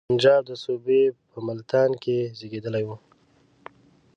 هغه د پنجاب د صوبې په ملتان کې زېږېدلی وو.